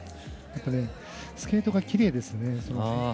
あと、スケートがきれいですね。